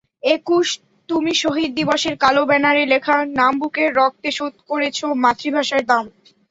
একুশ তুমিশহীদ দিবসের কালো ব্যানারে লেখা নামবুকের রক্তে শোধ করেছ মাতৃভাষার দাম।